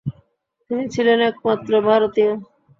তিনি ছিলেন একমাত্র ভারতীয়।